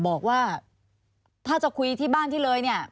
บอกว่าถ้าจะคุยที่บ้านที่เลยเนี่ย